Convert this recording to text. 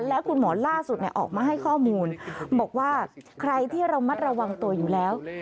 แล้วคุณหมอล่าสุดออกมาให้ข้อมูลบอกว่าใครที่ระมัดระวังตัวอยู่แล้ว